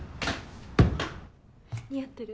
・似合ってる？